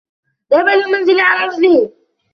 ذهب للمنزل علي رجله.